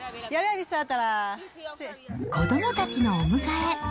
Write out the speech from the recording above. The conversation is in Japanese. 子どもたちのお迎え。